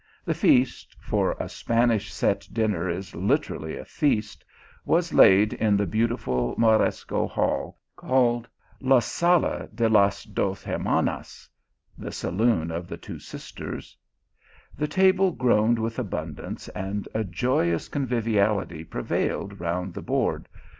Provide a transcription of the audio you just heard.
The feast, for a Spanish set dinner is literally a feast, was laid in the beautiful moresco hall called "la sala de las dos Hermanas," (the saloon of the two sisters ;) the table groaned with abundance, and a joyous conviviality prevailed round the board }.